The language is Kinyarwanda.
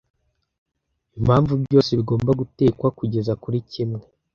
Impamvu byose bigomba gutekwa kugeza kuri kimwe